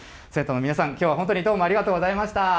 生徒の皆さん、きょうは本当にどありがとうございました。